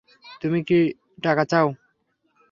তুমি টাকা চাও?